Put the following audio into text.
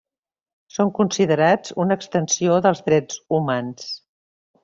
Són considerats una extensió dels Drets Humans.